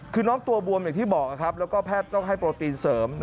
คือน้องตัวบวมอย่างที่บอกแล้วก็แพทย์ต้องให้โปรตีนเสริม